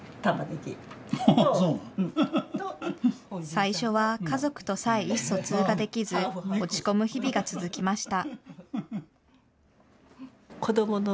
最初は家族とさえ意思疎通ができず、落ち込む日々が続きました。